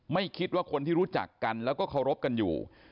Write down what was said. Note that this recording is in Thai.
ไม่คิดว่าคนที่รู้จักกันแล้วก็เคารพกันอยู่